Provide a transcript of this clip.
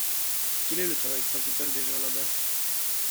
Quel est le travail principal des gens là-bas ?